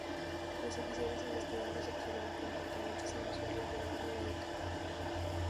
Los oficiales investigadores observaron comportamientos inusuales en Lamo y lo detuvieron.